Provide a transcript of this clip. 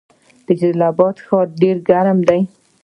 د جلال اباد ښار ډیر ګرم دی